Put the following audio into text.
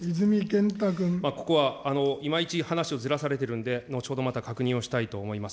ここはいまいち話をずらされてるんで、後ほどまた確認したいと思います。